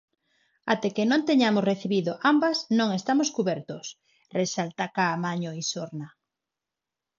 "Até que non teñamos recibido ambas non estamos cubertos", resalta Caamaño Isorna.